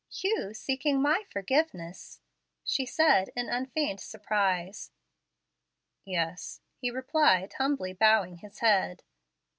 "You seeking my forgiveness!" she said in unfeigned surprise. "Yes," he replied, humbly bowing his head.